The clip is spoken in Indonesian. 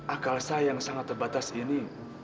akal saya yang sangat terbatas ini